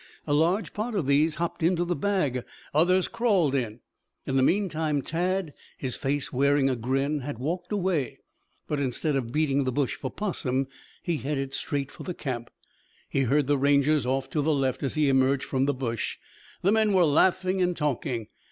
A large part of these hopped into the bag. Others crawled in. In the meantime Tad, his face wearing a grin, had walked away, but instead of beating the bush for 'possum, he headed straight for the camp. He heard the Rangers off to the left, as he emerged from the bush. The men were laughing and talking.